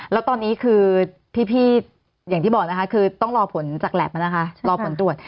แล้วตอนนี้คือพี่อย่างที่บอกนะคะคือต้องรอผลจากแล็บนะคะรอผลตรวจ